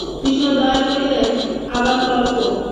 কৃষ্ণদয়াল কহিলেন, আবার তর্ক?